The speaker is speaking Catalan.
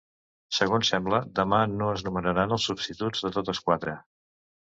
Segons sembla demà no es nomenaran els substituts de totes quatre.